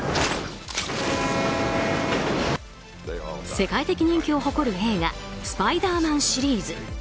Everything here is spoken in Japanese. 世界的人気を誇る映画「スパイダーマン」シリーズ。